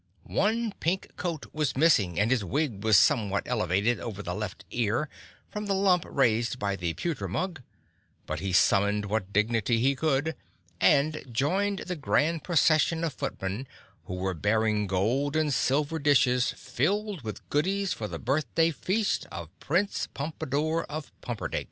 One pink coat tail was missing and his wig was somewhat elevated over the left ear from the lump raised by the pewter mug, but he summoned what dignity he could and joined the grand procession of footmen who were bearing gold and silver dishes filled with goodies for the birthday feast of Prince Pompadore of Pumperdink.